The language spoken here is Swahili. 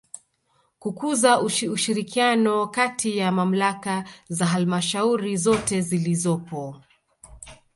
Kukuza ushirikiano kati ya Mamlaka za Halmashauri zote zilizopo